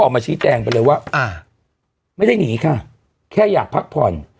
ไม่ได้อย่างงี้ค่ะแค่อยากพักผ่อน